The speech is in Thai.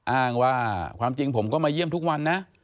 อ้างว่าความจริงผมก็มาเยี่ยมทุกวันนะ